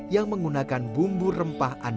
yang menggunakan bumbu rempah yang sangat indah